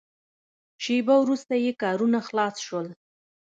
شېبه وروسته یې کارونه خلاص شول.